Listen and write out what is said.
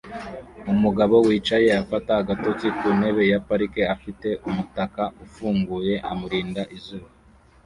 Umugabo wicaye afata agatotsi ku ntebe ya parike afite umutaka ufunguye amurinda izuba